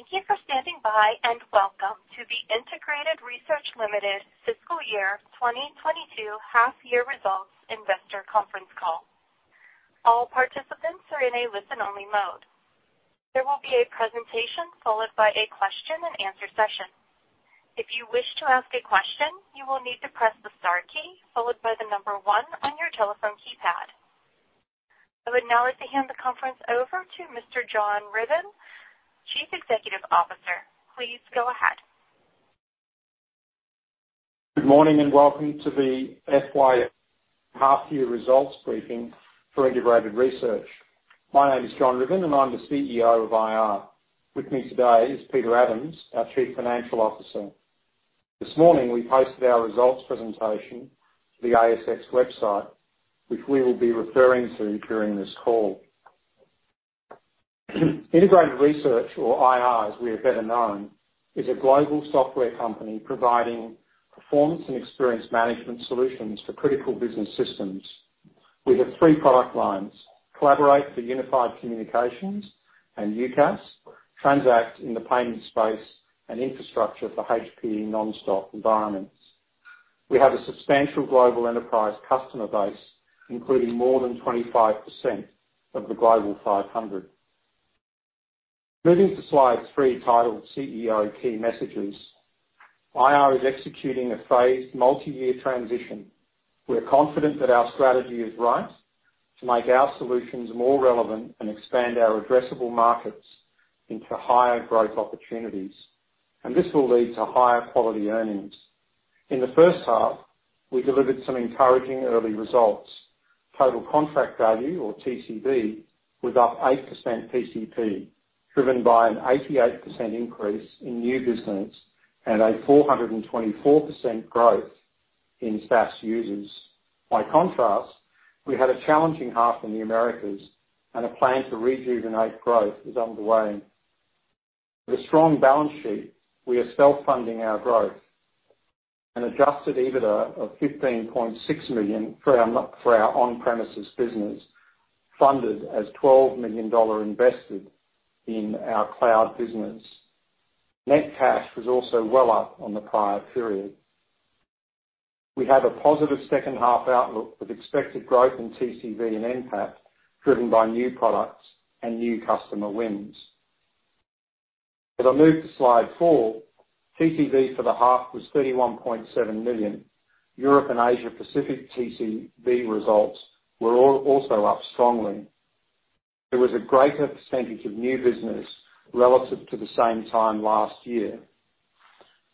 Thank you for standing by, and welcome to the Integrated Research Limited fiscal year 2022 half year results investor conference call. All participants are in a listen-only mode. There will be a presentation followed by a question and answer session. If you wish to ask a question, you will need to press the star key followed by the number one on your telephone keypad. I would now like to hand the conference over to Mr. John Ruthven, Chief Executive Officer. Please go ahead. Good morning and welcome to the FY half year results briefing for Integrated Research. My name is John Ruthven, and I'm the CEO of IR. With me today is Peter Adams, our Chief Financial Officer. This morning, we posted our results presentation to the ASX website, which we will be referring to during this call. Integrated Research, or IR, as we are better known, is a global software company providing performance and experience management solutions for critical business systems. We have three product lines. Collaborate for Unified Communications and UCaaS, Transact in the payment space, and Infrastructure for HP NonStop environments. We have a substantial global enterprise customer base, including more than 25% of the Global 500. Moving to slide three, titled CEO Key Messages. IR is executing a phased multi-year transition. We are confident that our strategy is right to make our solutions more relevant and expand our addressable markets into higher growth opportunities. This will lead to higher quality earnings. In the first half, we delivered some encouraging early results. Total contract value, or TCV, was up 8% PCP, driven by an 88% increase in new business and a 424% growth in SaaS users. By contrast, we had a challenging half in the Americas, and a plan to rejuvenate growth is underway. With a strong balance sheet, we are self-funding our growth. An adjusted EBITDA of 15.6 million for our on-premises business funded a AUD 12 million investment in our cloud business. Net cash was also well up on the prior period. We have a positive second-half outlook with expected growth in TCV and NPAT, driven by new products and new customer wins. As I move to slide four, TCV for the half was 31.7 million. Europe and Asia Pacific TCV results were also up strongly. There was a greater percentage of new business relative to the same time last year.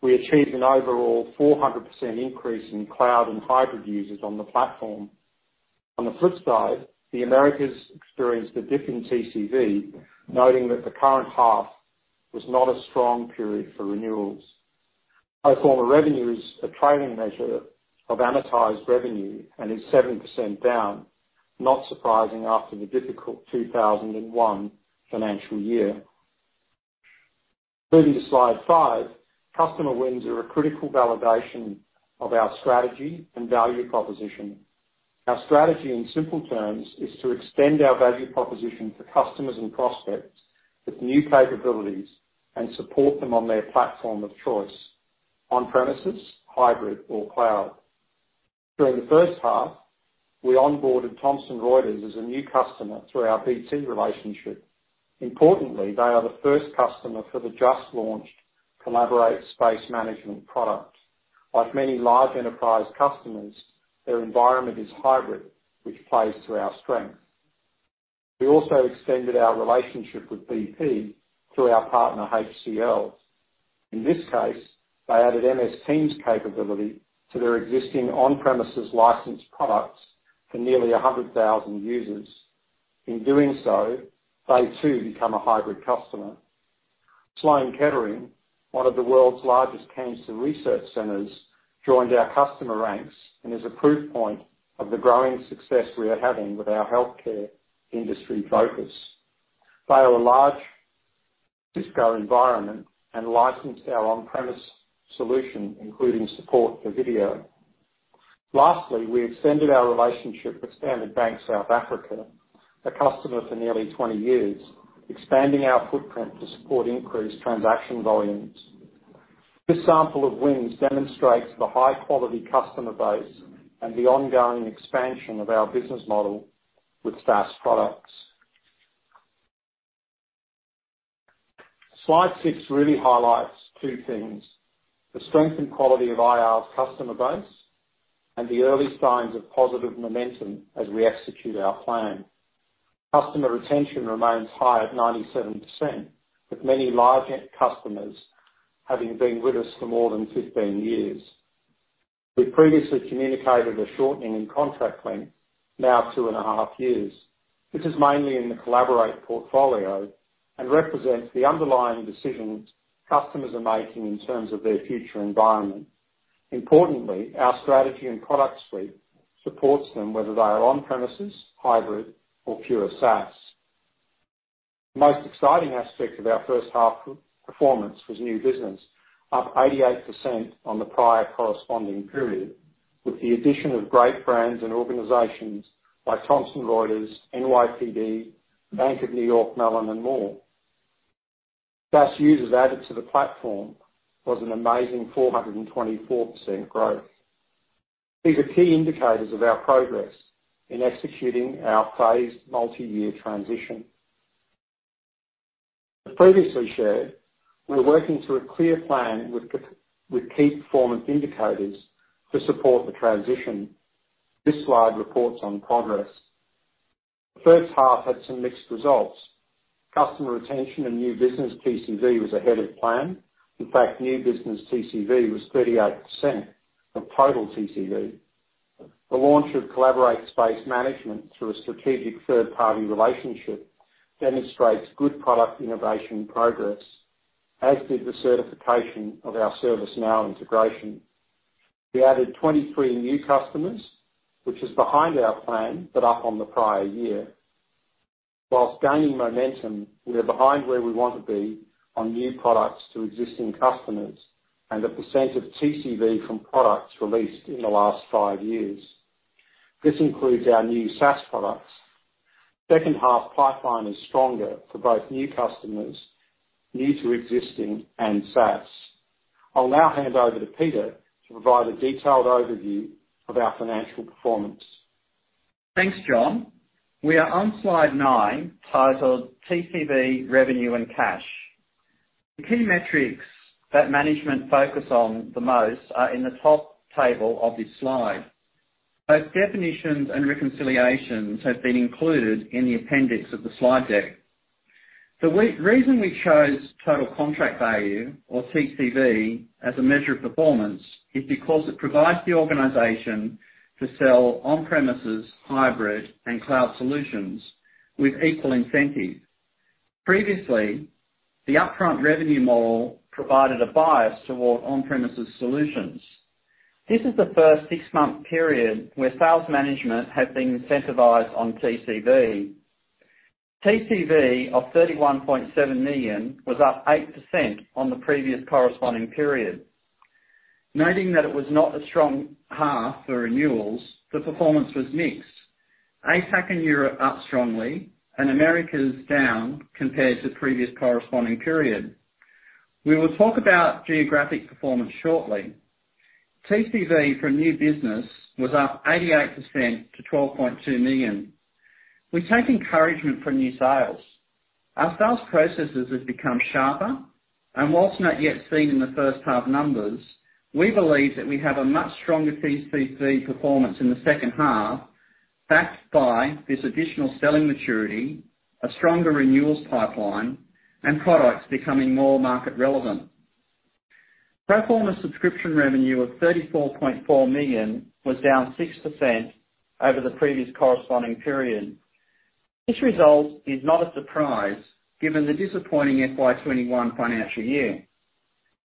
We achieved an overall 400% increase in cloud and hybrid users on the platform. On the flip side, the Americas experienced a dip in TCV, noting that the current half was not a strong period for renewals. Pro forma revenue is a trailing measure of amortized revenue and is 7% down. Not surprising after the difficult 2001 financial year. Moving to slide five. Customer wins are a critical validation of our strategy and value proposition. Our strategy, in simple terms, is to extend our value proposition to customers and prospects with new capabilities and support them on their platform of choice, on-premises, hybrid or cloud. During the first half, we onboarded Thomson Reuters as a new customer through our BT relationship. Importantly, they are the first customer for the just-launched Collaboration Space Management product. Like many large enterprise customers, their environment is hybrid, which plays to our strength. We also extended our relationship with BP through our partner HCL. In this case, they added MS Teams capability to their existing on-premises licensed products for nearly 100,000 users. In doing so, they too become a hybrid customer. Sloan Kettering, one of the world's largest cancer research centers, joined our customer ranks and is a proof point of the growing success we are having with our healthcare industry focus. They are a large Cisco environment and licensed our on-premise solution, including support for video. Lastly, we extended our relationship with The Standard Bank of South Africa, a customer for nearly 20 years, expanding our footprint to support increased transaction volumes. This sample of wins demonstrates the high-quality customer base and the ongoing expansion of our business model with SaaS products. Slide six really highlights two things. The strength and quality of IR's customer base and the early signs of positive momentum as we execute our plan. Customer retention remains high at 97%, with many large customers having been with us for more than 15 years. We previously communicated a shortening in contract length, now 2.5 years, which is mainly in the Collaborate portfolio and represents the underlying decisions customers are making in terms of their future environment. Importantly, our strategy and product suite supports them whether they are on premises, hybrid or pure SaaS. The most exciting aspect of our first half performance was new business, up 88% on the prior corresponding period. With the addition of great brands and organizations like Thomson Reuters, NYPD, Bank of New York Mellon and more. SaaS users added to the platform was an amazing 424% growth. These are key indicators of our progress in executing our phased multi-year transition. As previously shared, we're working through a clear plan with key performance indicators to support the transition. This slide reports on progress. First half had some mixed results. Customer retention and new business TCV was ahead of plan. In fact, new business TCV was 38% of total TCV. The launch of Collaboration Space Management through a strategic third-party relationship demonstrates good product innovation progress, as did the certification of our ServiceNow integration. We added 23 new customers, which is behind our plan, but up on the prior year. While gaining momentum, we are behind where we want to be on new products to existing customers and the percent of TCV from products released in the last five years. This includes our new SaaS products. Second half pipeline is stronger for both new customers, new to existing and SaaS. I'll now hand over to Peter to provide a detailed overview of our financial performance. Thanks, John. We are on slide nine, titled TCV Revenue and Cash. The key metrics that management focus on the most are in the top table of this slide. Both definitions and reconciliations have been included in the appendix of the slide deck. The reason we chose Total Contract Value or TCV as a measure of performance is because it provides the organization to sell on-premises, hybrid, and cloud solutions with equal incentive. Previously, the upfront revenue model provided a bias toward on-premises solutions. This is the first six-month period where sales management have been incentivized on TCV. TCV of 31.7 million was up 8% on the previous corresponding period. Noting that it was not a strong half for renewals, the performance was mixed. APAC and Europe up strongly and Americas down compared to previous corresponding period. We will talk about geographic performance shortly. TCV for new business was up 88% to 12.2 million. We take encouragement from new sales. Our sales processes have become sharper, and while not yet seen in the first half numbers, we believe that we have a much stronger TCV performance in the second half, backed by this additional selling maturity, a stronger renewals pipeline, and products becoming more market relevant. Pro forma subscription revenue of AUD 34.4 million was down 6% over the previous corresponding period. This result is not a surprise given the disappointing FY 2021 financial year.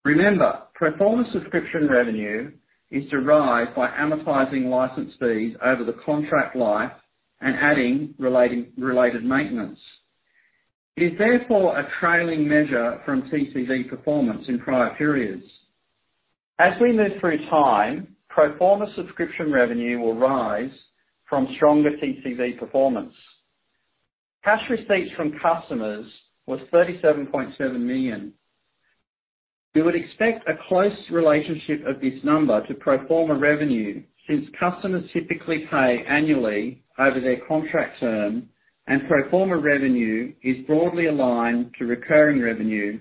Remember, pro forma subscription revenue is derived by amortizing license fees over the contract life and adding related maintenance. It is therefore a trailing measure from TCV performance in prior periods. As we move through time, pro forma subscription revenue will rise from stronger TCV performance. Cash receipts from customers was 37.7 million. We would expect a close relationship of this number to pro forma revenue, since customers typically pay annually over their contract term and pro forma revenue is broadly aligned to recurring revenue,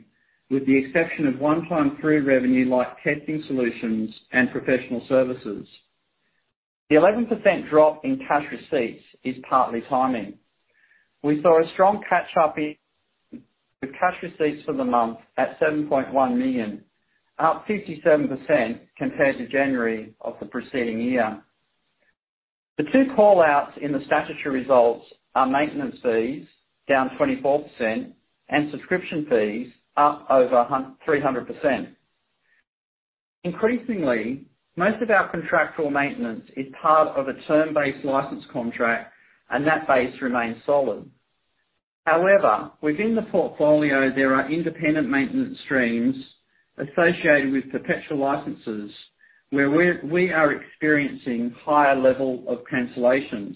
with the exception of one-time throughput revenue like testing solutions and professional services. The 11% drop in cash receipts is partly timing. We saw a strong catch up in the cash receipts for the month at 7.1 million, up 57% compared to January of the preceding year. The two call-outs in the statutory results are maintenance fees down 24% and subscription fees up over 300%. Increasingly, most of our contractual maintenance is part of a term-based license contract, and that base remains solid. However, within the portfolio, there are independent maintenance streams associated with perpetual licenses where we are experiencing higher level of cancellations.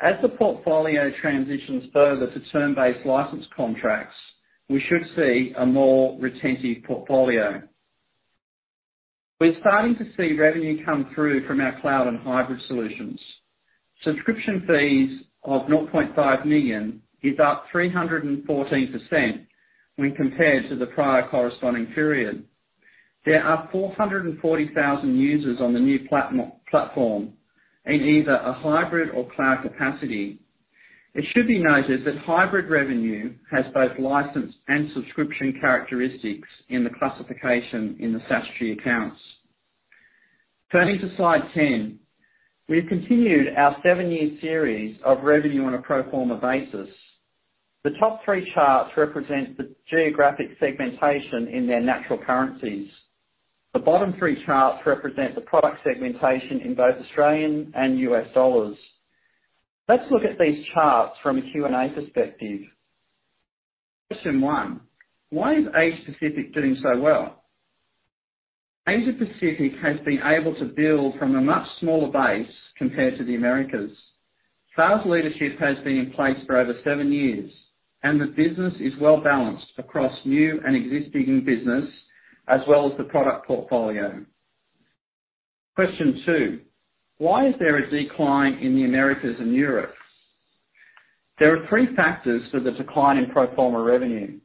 As the portfolio transitions further to term-based license contracts, we should see a more retentive portfolio. We're starting to see revenue come through from our cloud and hybrid solutions. Subscription fees of 0.5 million is up 314% when compared to the prior corresponding period. There are 440,000 users on the new platform in either a hybrid or cloud capacity. It should be noted that hybrid revenue has both license and subscription characteristics in the classification in the SaaS accounts. Turning to slide 10. We've continued our seven-year series of revenue on a pro forma basis. The top three charts represent the geographic segmentation in their natural currencies. The bottom three charts represent the product segmentation in both Australian and U.S. dollars. Let's look at these charts from a Q&A perspective. Question one, why is Asia Pacific doing so well? Asia Pacific has been able to build from a much smaller base compared to the Americas. Sales leadership has been in place for over seven years, and the business is well-balanced across new and existing business as well as the product portfolio. Question two, why is there a decline in the Americas and Europe? There are three factors for the decline in pro forma revenue.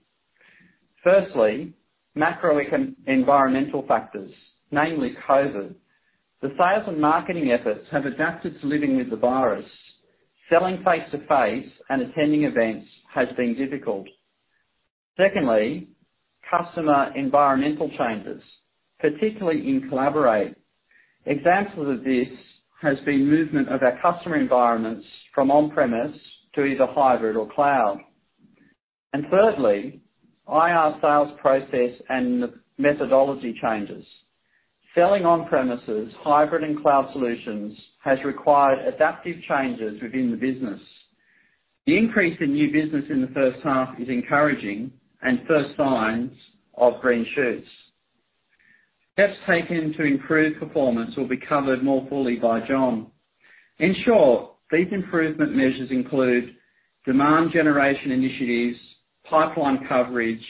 Firstly, macroeconomic environmental factors, namely COVID. The sales and marketing efforts have adapted to living with the virus. Selling face-to-face and attending events has been difficult. Secondly, customer environmental changes, particularly in Collaborate. Examples of this has been movement of our customer environments from on-premise to either hybrid or cloud. Thirdly, IR sales process and the methodology changes. Selling on-premises, hybrid and cloud solutions has required adaptive changes within the business. The increase in new business in the first half is encouraging and first signs of green shoots. Steps taken to improve performance will be covered more fully by John. In short, these improvement measures include demand generation initiatives, pipeline coverage,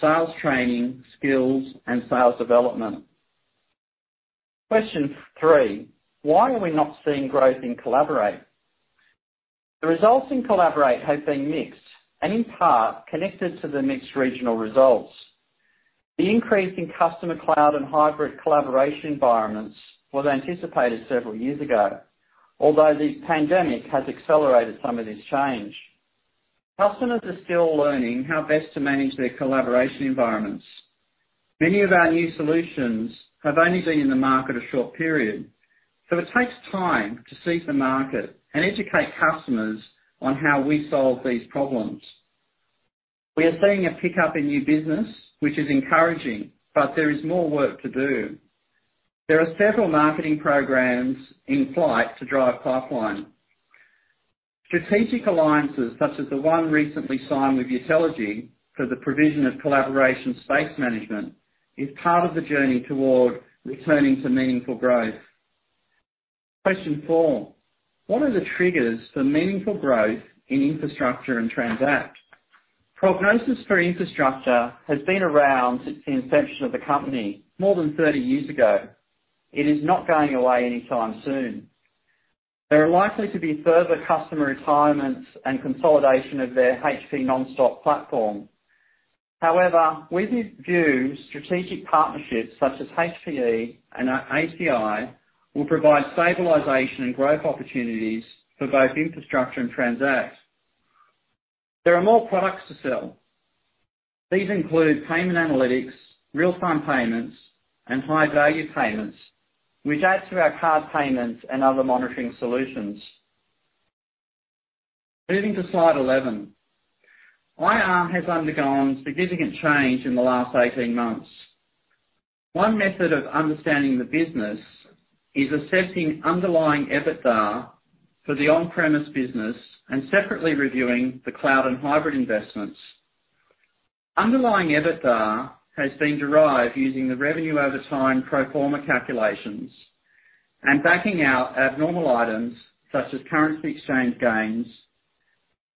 sales training, skills, and sales development. Question three, why are we not seeing growth in Collaborate? The results in Collaborate have been mixed and in part connected to the mixed regional results. The increase in customer cloud and hybrid collaboration environments was anticipated several years ago, although the pandemic has accelerated some of this change. Customers are still learning how best to manage their collaboration environments. Many of our new solutions have only been in the market a short period, so it takes time to seed the market and educate customers on how we solve these problems. We are seeing a pickup in new business, which is encouraging, but there is more work to do. There are several marketing programs in flight to drive pipeline. Strategic alliances such as the one recently signed with Utelogy for the provision of collaboration space management is part of the journey toward returning to meaningful growth. Question four, what are the triggers for meaningful growth in Infrastructure and Transact? Prognosis for Infrastructure has been around since the inception of the company more than 30 years ago. It is not going away anytime soon. There are likely to be further customer retirements and consolidation of their HP NonStop platform. However, we view strategic partnerships such as HP and ACI will provide stabilization and growth opportunities for both Infrastructure and Transact. There are more products to sell. These include payment analytics, real-time payments, and high-value payments, which adds to our card payments and other monitoring solutions. Moving to slide 11. IR has undergone significant change in the last 18 months. One method of understanding the business is assessing underlying EBITDA for the on-premises business and separately reviewing the cloud and hybrid investments. Underlying EBITDA has been derived using the revenue over time pro forma calculations and backing out abnormal items such as currency exchange gains.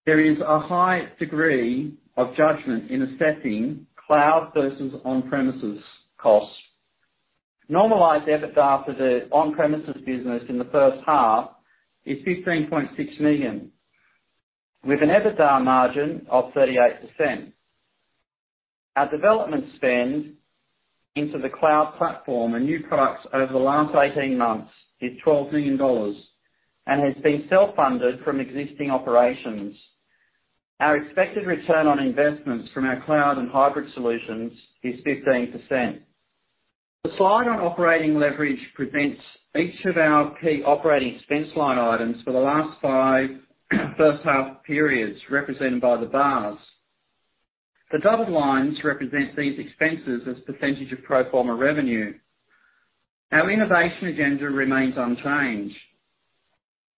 There is a high degree of judgment in assessing cloud versus on-premises costs. Normalized EBITDA for the on-premises business in the first half is 15.6 million, with an EBITDA margin of 38%. Our development spend into the cloud platform and new products over the last 18 months is 12 million dollars and has been self-funded from existing operations. Our expected return on investments from our cloud and hybrid solutions is 15%. The slide on operating leverage presents each of our key operating expense line items for the last five first half periods represented by the bars. The dotted lines represent these expenses as percentage of pro forma revenue. Our innovation agenda remains unchanged.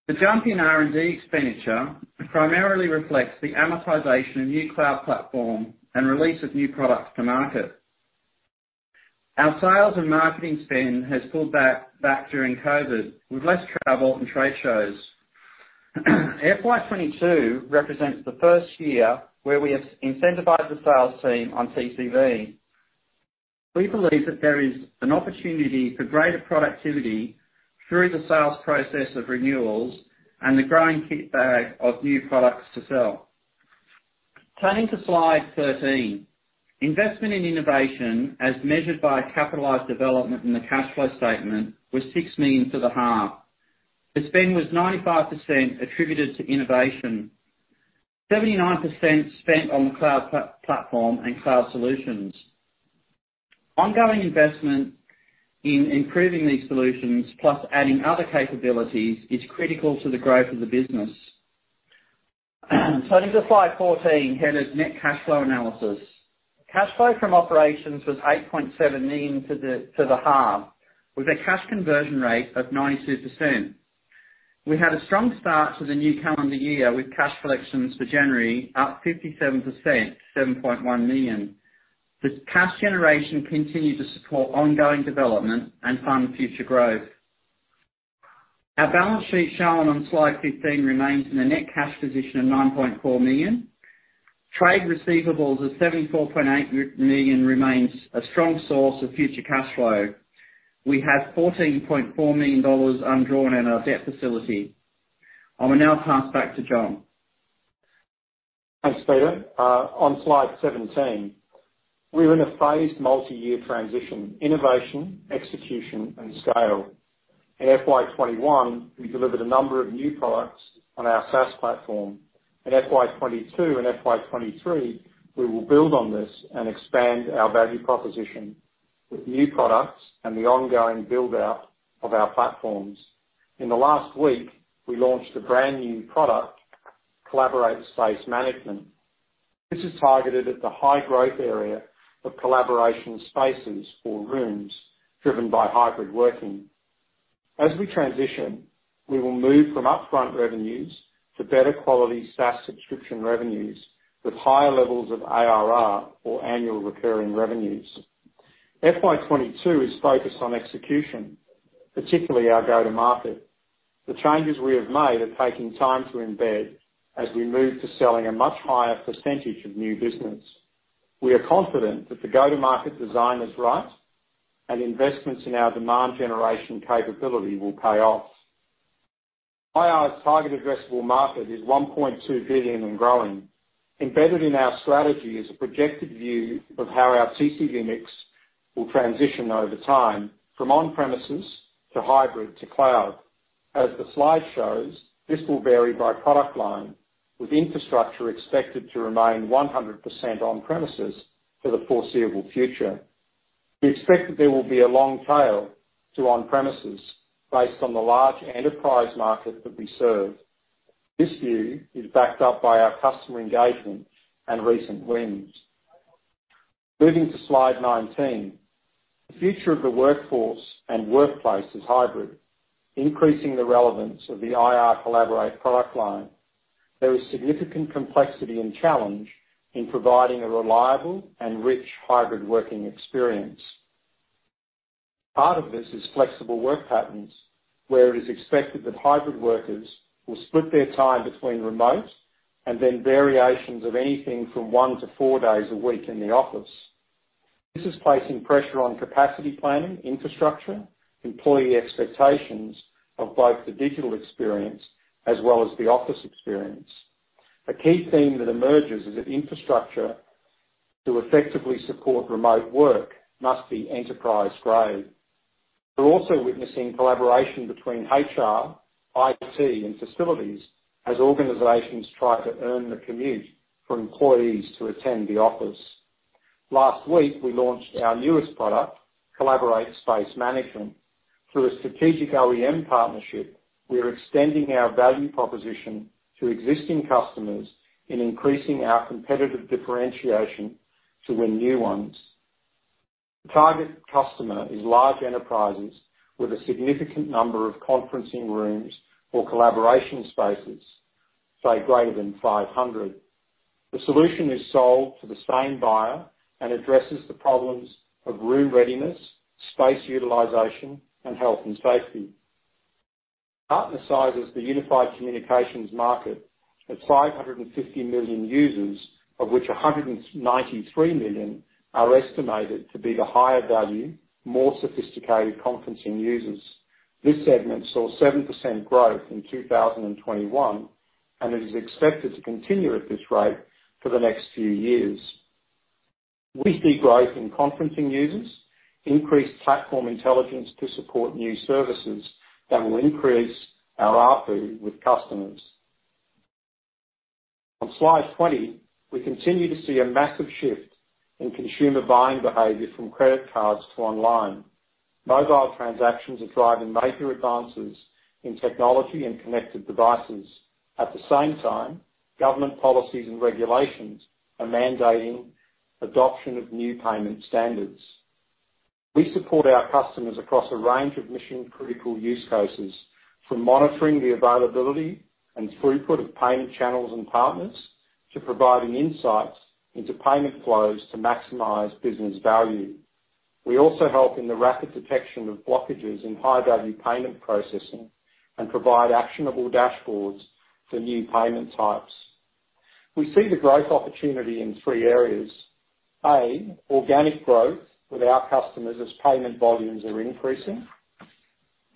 The jump in R&D expenditure primarily reflects the amortization of new cloud platform and release of new products to market. Our sales and marketing spend has pulled back during COVID with less travel and trade shows. FY 2022 represents the first year where we have incentivized the sales team on TCV. We believe that there is an opportunity for greater productivity through the sales process of renewals and the growing kit bag of new products to sell. Turning to slide 13. Investment in innovation as measured by capitalized development in the cash flow statement was 6 million for the half. The spend was 95% attributed to innovation. 79% spent on cloud platform and cloud solutions. Ongoing investment in improving these solutions plus adding other capabilities is critical to the growth of the business. Turning to slide 14, headed Net Cash Flow Analysis. Cash flow from operations was 8.7 million to the half with a cash conversion rate of 92%. We had a strong start to the new calendar year with cash collections for January up 57% to 7.1 million. This cash generation continued to support ongoing development and fund future growth. Our balance sheet shown on slide 15 remains in a net cash position of 9.4 million. Trade receivables of 74.8 million remains a strong source of future cash flow. We have 14.4 million dollars undrawn in our debt facility. I will now pass back to John. Thanks, Peter. On slide 17, we're in a phased multi-year transition, innovation, execution and scale. In FY 2021, we delivered a number of new products on our SaaS platform. In FY 2022 and FY 2023, we will build on this and expand our value proposition with new products and the ongoing build out of our platforms. In the last week, we launched a brand new product, Collaboration Space Management. This is targeted at the high growth area of collaboration spaces or rooms driven by hybrid working. As we transition, we will move from upfront revenues to better quality SaaS subscription revenues with higher levels of ARR or annual recurring revenues. FY 2022 is focused on execution, particularly our go-to-market. The changes we have made are taking time to embed as we move to selling a much higher percentage of new business. We are confident that the go-to-market design is right and investments in our demand generation capability will pay off. IR's target addressable market is 1.2 billion and growing. Embedded in our strategy is a projected view of how our TCV mix will transition over time from on-premises to hybrid to cloud. As the slide shows, this will vary by product line, with Infrastructure expected to remain 100% on-premises for the foreseeable future. We expect that there will be a long tail to on-premises based on the large enterprise market that we serve. This view is backed up by our customer engagement and recent wins. Moving to slide 19. The future of the workforce and workplace is hybrid, increasing the relevance of the IR Collaborate product line. There is significant complexity and challenge in providing a reliable and rich hybrid working experience. Part of this is flexible work patterns, where it is expected that hybrid workers will split their time between remote and then variations of anything from one to four days a week in the office. This is placing pressure on capacity planning, infrastructure, employee expectations of both the digital experience as well as the office experience. A key theme that emerges is that infrastructure to effectively support remote work must be enterprise-grade. We're also witnessing collaboration between HR, IT, and facilities as organizations try to earn the commute for employees to attend the office. Last week, we launched our newest product, Collaboration Space Management. Through a strategic OEM partnership, we are extending our value proposition to existing customers in increasing our competitive differentiation to win new ones. The target customer is large enterprises with a significant number of conferencing rooms or collaboration spaces, say greater than 500. The solution is sold to the same buyer and addresses the problems of room readiness, space utilization, and health and safety. Partner sizes the unified communications market at 550 million users, of which 193 million are estimated to be the higher value, more sophisticated conferencing users. This segment saw 7% growth in 2021, and it is expected to continue at this rate for the next few years. We see growth in conferencing users, increased platform intelligence to support new services that will increase our ARPU with customers. On slide 20, we continue to see a massive shift in consumer buying behavior from credit cards to online. Mobile transactions are driving major advances in technology and connected devices. At the same time, government policies and regulations are mandating adoption of new payment standards. We support our customers across a range of mission-critical use cases, from monitoring the availability and throughput of payment channels and partners to providing insights into payment flows to maximize business value. We also help in the rapid detection of blockages in high-value payment processing and provide actionable dashboards for new payment types. We see the growth opportunity in three areas. A, organic growth with our customers as payment volumes are increasing.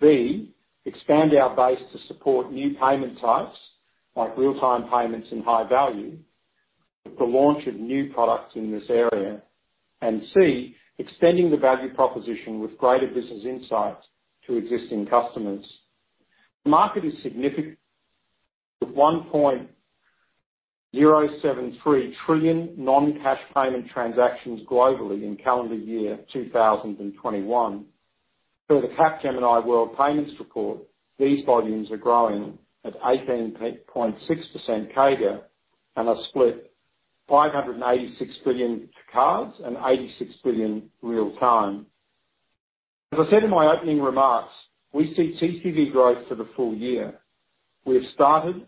B, expand our base to support new payment types like real-time payments and high value with the launch of new products in this area. C, extending the value proposition with greater business insights to existing customers. The market is significant with 1.073 trillion non-cash payment transactions globally in calendar year 2021. Per the Capgemini World Payments Report, these volumes are growing at 18.6% CAGR and are split 586 billion to cards and 86 billion real time. I said in my opening remarks, we see TCV growth for the full year. We have started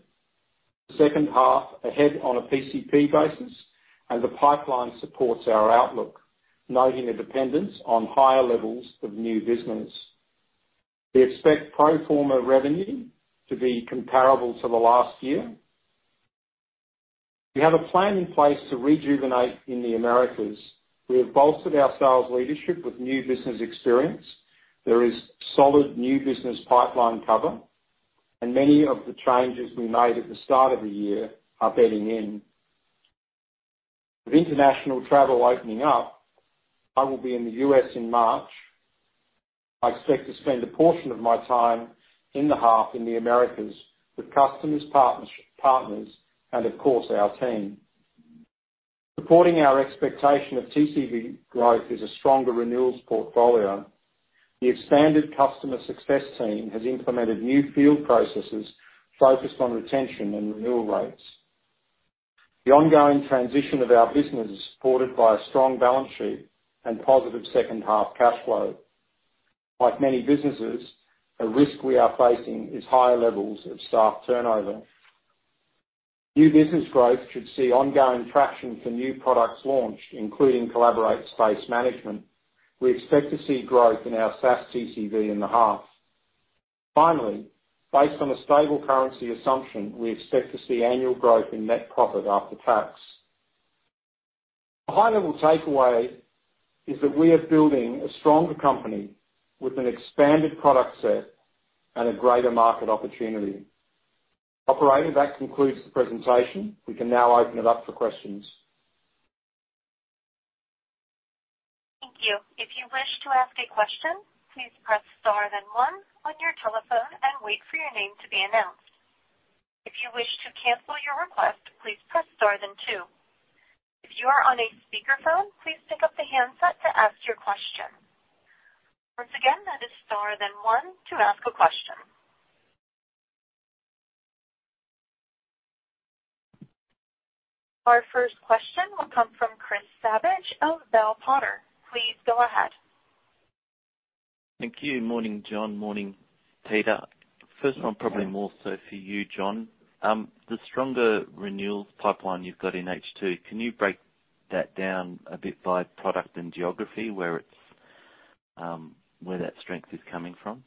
the second half ahead on a PCP basis and the pipeline supports our outlook, noting a dependence on higher levels of new business. We expect pro forma revenue to be comparable to the last year. We have a plan in place to rejuvenate in the Americas. We have bolstered our sales leadership with new business experience. There is solid new business pipeline cover and many of the changes we made at the start of the year are bedding in. With international travel opening up, I will be in the U.S. in March. I expect to spend a portion of my time in the half in the Americas with customers, partners and of course our team. Supporting our expectation of TCV growth is a stronger renewals portfolio. The expanded customer success team has implemented new field processes focused on retention and renewal rates. The ongoing transition of our business is supported by a strong balance sheet and positive second half cash flow. Like many businesses, a risk we are facing is higher levels of staff turnover. New business growth should see ongoing traction for new products launched, including Collaboration Space Management. We expect to see growth in our SaaS TCV in the half. Finally, based on a stable currency assumption, we expect to see annual growth in net profit after tax. The high level takeaway is that we are building a stronger company with an expanded product set and a greater market opportunity. Operator, that concludes the presentation. We can now open it up for questions. Thank you. If you wish to ask a question please press star then one on your telephone and wait for your name to be announced. If you wish to cancel your request please press star then two. If you are on a speaker phone please pick up the handset to ask your question. Once again press star then one to ask your question. Our first question will come from Chris Savage of Bell Potter. Please go ahead. Thank you. Morning, John. Morning, Peter. First one probably more so for you, John. The stronger renewals pipeline you've got in H2, can you break that down a bit by product and geography where it's, where that strength is coming from?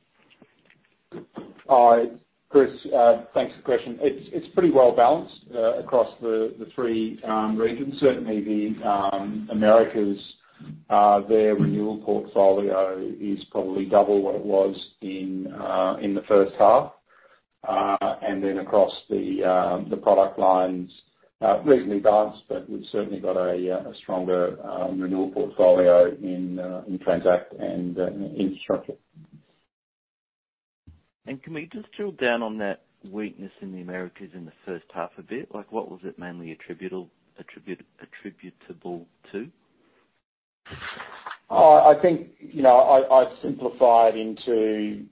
Chris, thanks for the question. It's pretty well balanced across the three regions. Certainly the Americas, their renewal portfolio is probably double what it was in the first half. Across the product lines, reasonably balanced but we've certainly got a stronger renewal portfolio in Transact and Infrastructure. Can we just drill down on that weakness in the Americas in the first half a bit? Like what was it mainly attributable to? I think, you know, I'd simplify it into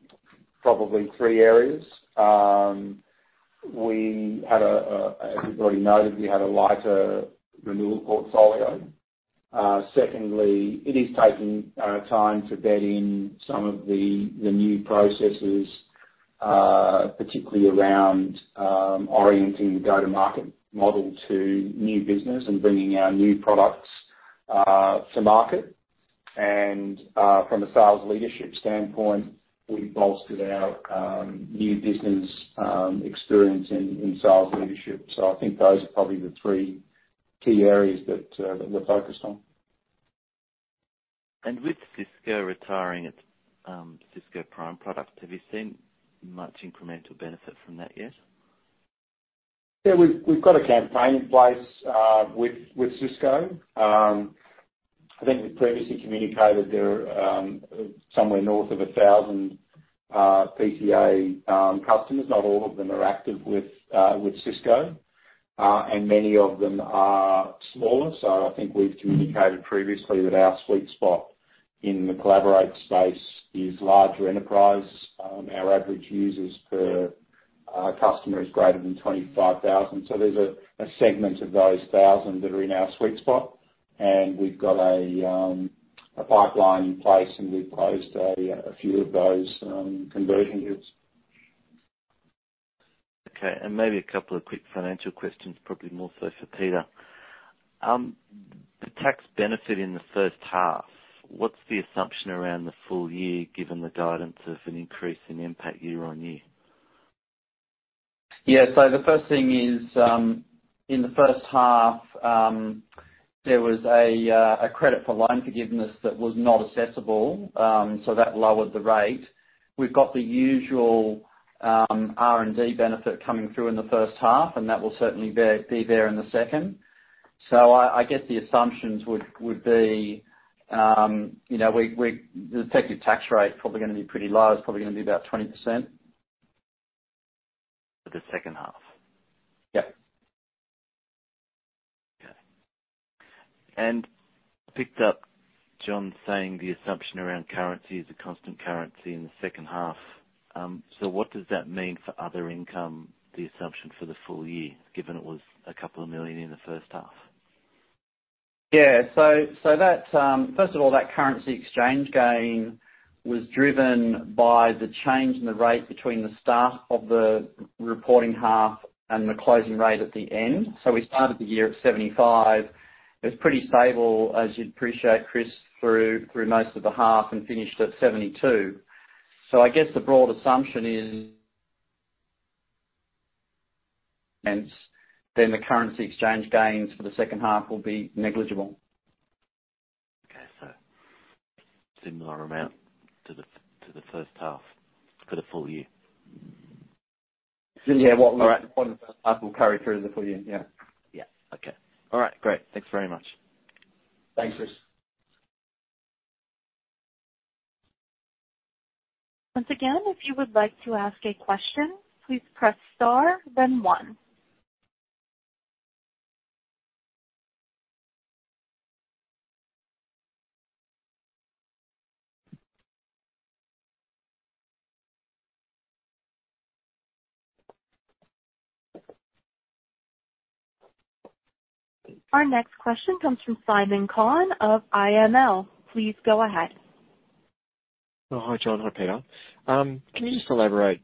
probably three areas. As you've already noted, we had a lighter renewal portfolio. Secondly, it is taking time to bed in some of the new processes, particularly around orienting the go-to-market model to new business and bringing our new products to market. From a sales leadership standpoint, we've bolstered our new business experience in sales leadership. I think those are probably the three key areas that we're focused on. With Cisco retiring its Cisco Prime product, have you seen much incremental benefit from that yet? Yeah, we've got a campaign in place with Cisco. I think we previously communicated there, somewhere north of a thousand PCA customers. Not all of them are active with Cisco. Many of them are smaller. I think we've communicated previously that our sweet spot in the Collaborate space is larger enterprise. Our average users per customer is greater than 25,000. There's a segment of those thousand that are in our sweet spot and we've got a pipeline in place and we've closed a few of those conversion deals. Okay. Maybe a couple of quick financial questions, probably more so for Peter. The tax benefit in the first half, what's the assumption around the full year given the guidance of an increase in impact year on year? Yeah. The first thing is, in the first half, there was a credit for loan forgiveness that was not assessable, so that lowered the rate. We've got the usual R&D benefit coming through in the first half and that will certainly be there in the second. I guess the assumptions would be, you know, we the effective tax rate probably gonna be pretty low. It's probably gonna be about 20%. For the second half? Yep. Okay. Picked up John saying the assumption around currency is a constant currency in the second half. What does that mean for other income, the assumption for the full year, given it was a couple of million in the first half? First of all, that currency exchange gain was driven by the change in the rate between the start of the reporting half and the closing rate at the end. We started the year at 75. It was pretty stable, as you'd appreciate, Chris, through most of the half and finished at 72. I guess the broad assumption is, and then the currency exchange gains for the second half will be negligible. Similar amount to the first half for the full year. Yeah. All right. Whether the first half will carry through the full year. Yeah. Yeah. Okay. All right. Great. Thanks very much. Thanks, Chris. Once again, if you would like to ask a question, please press star then one. Our next question comes from Simon Conn of IML. Please go ahead. Oh, hi, John. Hi, Peter. Can you just elaborate,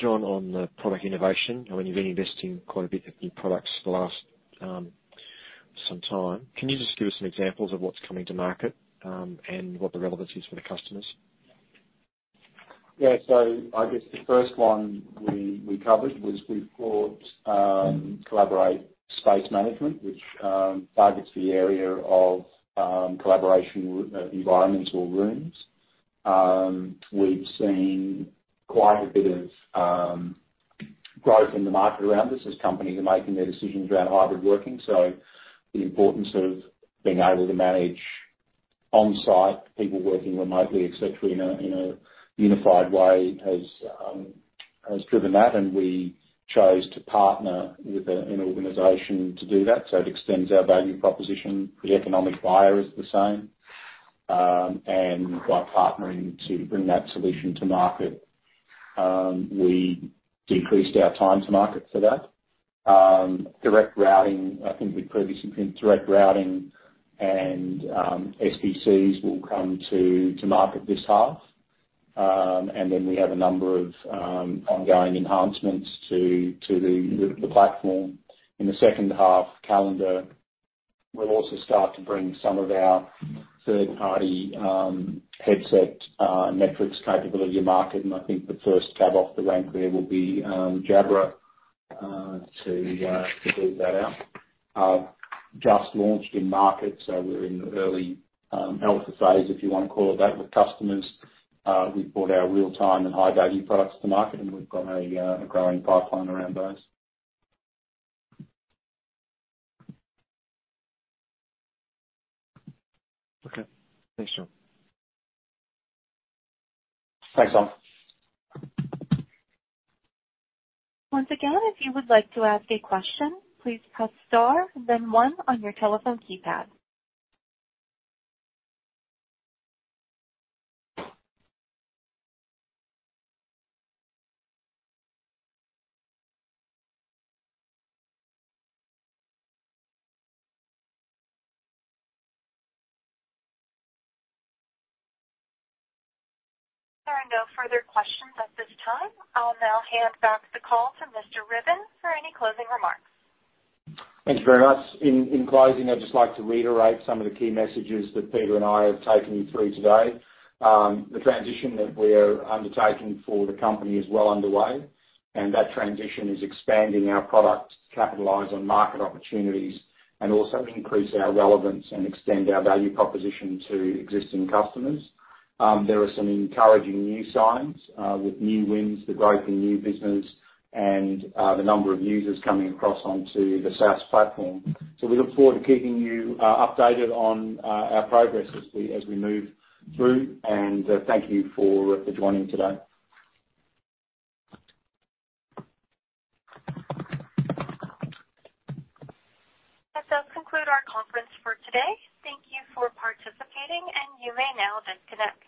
John, on the product innovation? I mean, you've been investing quite a bit in new products the last some time. Can you just give us some examples of what's coming to market, and what the relevance is for the customers? Yeah. I guess the first one we covered was we've brought Collaboration Space Management, which targets the area of collaboration environments or rooms. We've seen quite a bit of growth in the market around this as companies are making their decisions around hybrid working. The importance of being able to manage on-site people working remotely, et cetera, in a unified way has driven that. We chose to partner with an organization to do that. It extends our value proposition. The economic buyer is the same. By partnering to bring that solution to market, we decreased our time to market for that. Direct Routing. I think we've previously been Direct Routing and SBCs will come to market this half. We have a number of ongoing enhancements to the platform. In the second half calendar, we'll also start to bring some of our third-party headset metrics capability to market. I think the first cab off the rank there will be Jabra to build that out. Just launched in market, so we're in the early alpha phase, if you want to call it that, with customers. We've brought our real-time and high-value products to market, and we've got a growing pipeline around those. Okay. Thanks, John. Thanks, Simon. Once again, if you would like to ask a question, please press star then one on your telephone keypad. There are no further questions at this time. I'll now hand back the call to Mr. Ruthven for any closing remarks. Thank you very much. In closing, I'd just like to reiterate some of the key messages that Peter and I have taken you through today. The transition that we are undertaking for the company is well underway, and that transition is expanding our products to capitalize on market opportunities and also increase our relevance and extend our value proposition to existing customers. There are some encouraging new signs with new wins, the growth in new business and the number of users coming across onto the SaaS platform. We look forward to keeping you updated on our progress as we move through. Thank you for joining today. That does conclude our conference for today. Thank you for participating, and you may now disconnect.